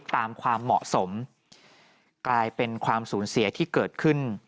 ความเหมาะสมกลายเป็นความสูญเสียที่เกิดขึ้น